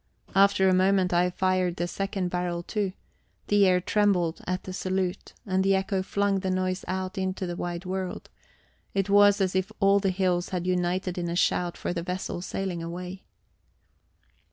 After a moment I fired the second barrel too; the air trembled at the salute, and the echo flung the noise out into the wide world; it was as if all the hills had united in a shout for the vessel sailing away.